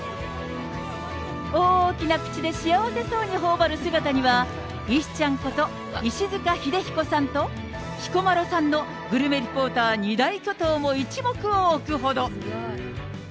おーきな口で幸せそうにほおばる姿には、石ちゃんこと石塚英彦さんと、彦摩呂さんのグルメリポーター２大巨頭も一目置くほど。